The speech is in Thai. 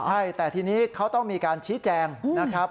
ใช่แต่ทีนี้เขาต้องมีการชี้แจงนะครับ